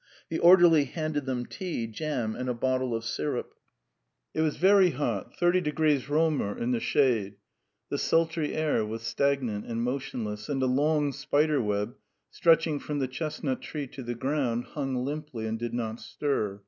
The orderly handed them tea, jam, and a bottle of syrup. It was very hot, thirty degrees Réaumur in the shade. The sultry air was stagnant and motionless, and a long spider web, stretching from the chestnut tree to the ground, hung limply and did not stir.